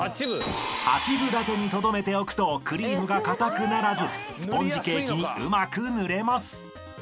［八分立てにとどめておくとクリームがかたくならずスポンジケーキにうまく塗れます］